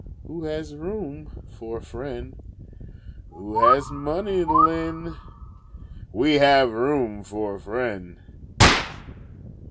Who has room for a friend Who has money to lend? We have room for a friend!